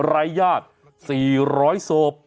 รายญาติ๔๐๐ศพ